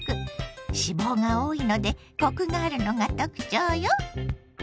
脂肪が多いのでコクがあるのが特徴よ。